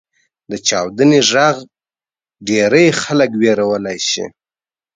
• د چاودنې ږغ ډېری خلک وېرولی شي.